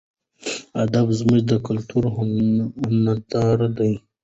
ادبیات زموږ د کلتور هنداره ده.